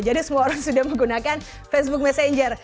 jadi semua orang sudah menggunakan facebook messenger